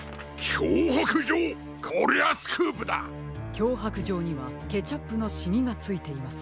きょうはくじょうにはケチャップのシミがついています。